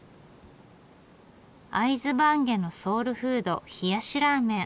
会津坂下のソウルフード冷やしラーメン。